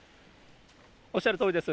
おっしゃるとおりです。